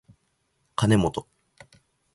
かねもと